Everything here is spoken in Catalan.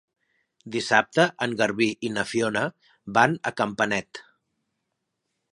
Dissabte en Garbí i na Fiona van a Campanet.